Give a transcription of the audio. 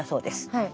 はい。